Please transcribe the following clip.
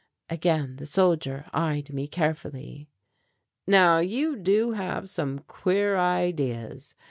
Again the soldier eyed me carefully. "Now you do have some queer ideas.